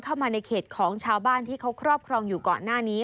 เข้ามาในเขตของชาวบ้านที่เขาครอบครองอยู่ก่อนหน้านี้